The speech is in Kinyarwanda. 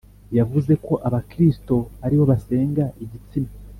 yavuze ko abakristo ari bo basenga igitsina.